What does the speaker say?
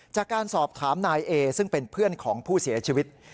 จากการสอบถามนายเอซึ่งเป็นเพื่อนของผู้เสียชีวิต